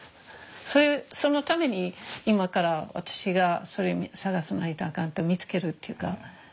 そのために今から私がそれを探さないとあかん見つけるっていうか。